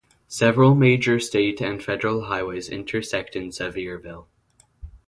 Several major state and federal highways intersect in Sevierville.